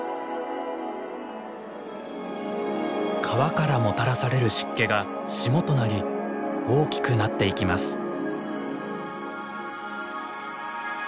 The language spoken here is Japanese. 川からもたらされる湿気が霜となり大きくなっていきます。